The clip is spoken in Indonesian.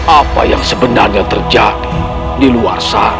apa yang sebenarnya terjadi di luar sana